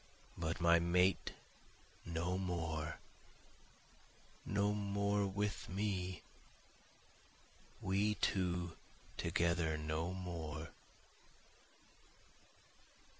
But my mate no more, no more with me! We two together no more.